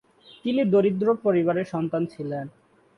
তিনি দরিদ্র পরিবারের সন্তান ছিলেন।